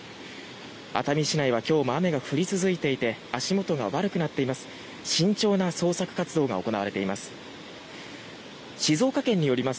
熱海市内は今日も雨が降り続いていて足元が悪くなっています。